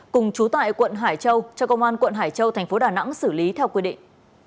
cùng chú tại quận hải châu cho công an quận hải châu thành phố đà nẵng xử lý theo quy định